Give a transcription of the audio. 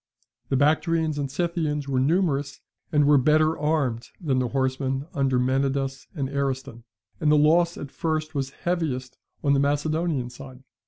The Bactrians and Scythians were numerous, and were better armed than the horseman under Menidas and Ariston; and the loss at first was heaviest on the Macedonian side.